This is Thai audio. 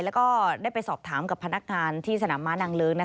แล้วก็ได้ไปสอบถามกับพนักงานที่สนามม้านางเลิ้ง